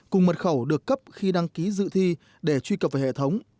cùng mật khẩu được cấp khi đăng ký dự thi để truy cập vào hệ thống